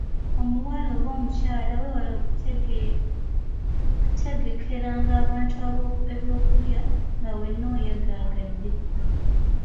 "Omuwala oba omukyala, weewale okutegekeranga abantu ebyokulya nga wenna oyagaagadde."